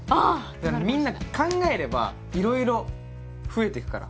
みんなが考えればいろいろ増えてくから。